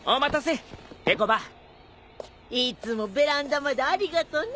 いつもベランダまでありがとね。